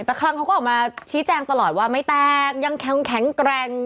แต่คลังเขาก็ออกมาชี้แจงตลอดว่าไม่แตกยังแข็งแกร่ง